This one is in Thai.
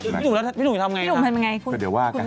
พี่หนุ่มจะทำอย่างไรครับ